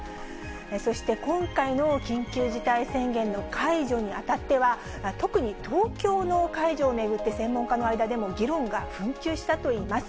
そして今回の緊急事態宣言の解除にあたっては、特に東京の解除を巡って、専門家の間でも議論が紛糾したといいます。